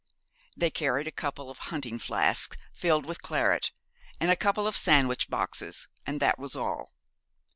They carried a couple of hunting flasks filled with claret, and a couple of sandwich boxes, and that was all.